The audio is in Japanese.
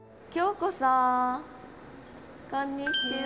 こんにちは。